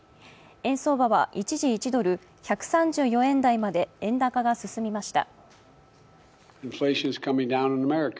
円相場は一時、１ドル＝１３４円台まで円高が進みました。